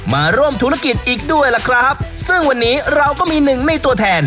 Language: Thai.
มาร่วมธุรกิจอีกด้วยล่ะครับซึ่งวันนี้เราก็มีหนึ่งในตัวแทน